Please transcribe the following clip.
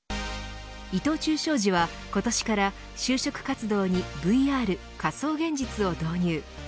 伊藤忠商事は今年から就職活動にＶＲ仮想現実を導入。